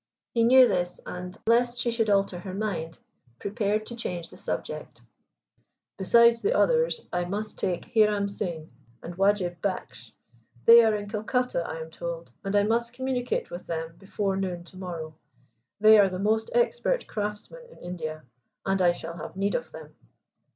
He knew this, and, lest she should alter her mind, prepared to change the subject. "Besides the others, I must take Hiram Singh and Wajib Baksh. They are in Calcutta, I am told, and I must communicate with them before noon to morrow. They are the most expert craftsmen in India, and I shall have need of them."